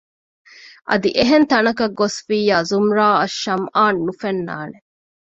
އަދި އެހެން ތަނަކަށް ގޮސްފިއްޔާ ޒުމްރާއަށް ޝަމްއާން ނުފެންނާނެ